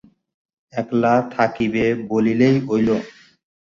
একলা থাকিবে বলিলেই হইল।